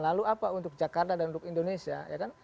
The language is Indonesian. lalu apa untuk jakarta dan untuk indonesia ya kan